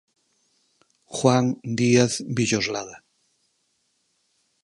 Juan Díaz Villoslada.